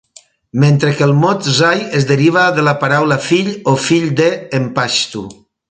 Mentre que el mot "zai" es deriva del la paraula "fill" o "fill de" en paixtu.